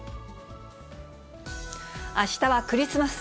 あしたはクリスマス。